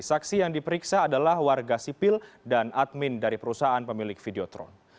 saksi yang diperiksa adalah warga sipil dan admin dari perusahaan pemilik videotron